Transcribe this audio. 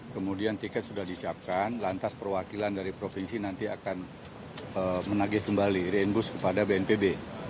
kemudian tiket sudah disiapkan lantas perwakilan dari provinsi nanti akan menagih kembali reinbus kepada bnpb